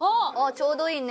「ちょうどいいね」